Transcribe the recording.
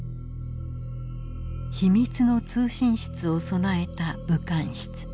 秘密の通信室を備えた武官室。